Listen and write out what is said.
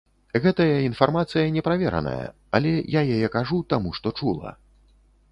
Гэтая інфармацыя неправераная, але я яе кажу, таму што чула.